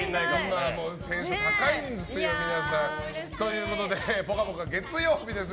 テンション高いんですよ、皆さん。ということで「ぽかぽか」月曜日です。